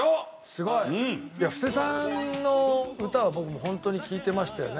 すごい。布施さんの歌は僕ホントに聞いてましたよね。